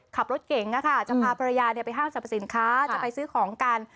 ขับรถเก่งจะพาภรรยาไปห้างสรรพสินค้าจะไปซื้อของกัน